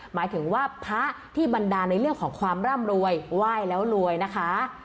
หมายถึงว่าพระที่บันดาลในเรื่องของความร่ำรวยไหว้แล้วรวยนะคะ